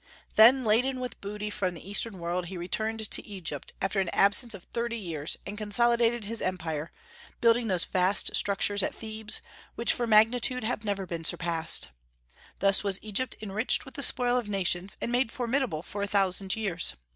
Then, laden with booty from the Eastern world, he returned to Egypt after an absence of thirty years and consolidated his empire, building those vast structures at Thebes, which for magnitude have never been surpassed. Thus was Egypt enriched with the spoil of nations, and made formidable for a thousand years.